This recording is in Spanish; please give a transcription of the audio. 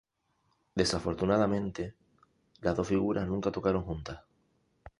Desafortunadamente, las dos figuras nunca tocaron juntas.